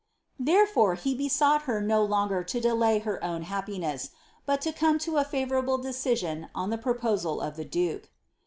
ire, he besought her no longer to delay her own happines*, btn. ^ n a fef ourable decision 00 the proposal of ibe duke.